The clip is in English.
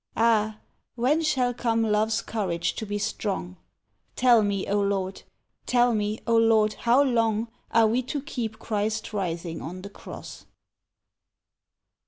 Ah, when shall come love's courage to be strong! Tell me, O Lord tell me, O Lord, how long Are we to keep Christ writhing on the cross!